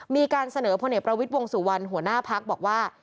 มีการเสนอพลเอกประวิทย์วงสุวรรณหัวหน้าพักบอกว่า